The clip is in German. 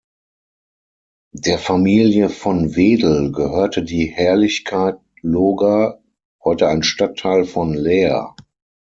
Der Familie von Wedel gehörte die Herrlichkeit Loga, heute ein Stadtteil von Leer.